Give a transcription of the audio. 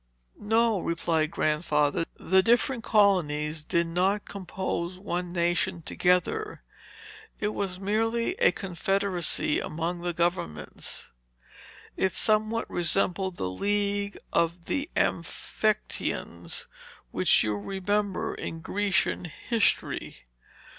"No," replied Grandfather, "the different colonies did not compose one nation together; it was merely a confederacy among the governments. It somewhat resembled the league of the Amphictyons, which you remember in Grecian history.